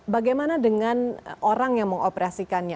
bagaimana dengan orang yang mengoperasikannya